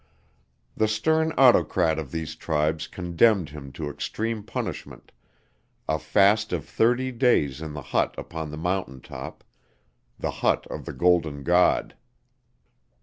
The stern autocrat of these tribes condemned him to extreme punishment a fast of thirty days in the hut upon the mountain top the hut of the Golden God.